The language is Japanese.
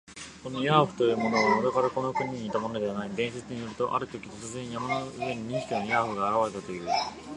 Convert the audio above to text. このヤーフというものは、もとからこの国にいたものではない。伝説によると、あるとき、突然、山の上に二匹のヤーフが現れたという。